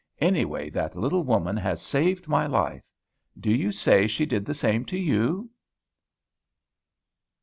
Anyway, that little woman has saved my life. Do you say she did the same to you?"